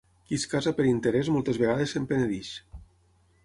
Qui es casa per interès moltes vegades se'n penedeix.